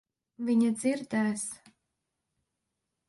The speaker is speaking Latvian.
Viņa dzirdēs.